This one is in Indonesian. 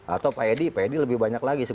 atau payd payd lebih banyak lagi sih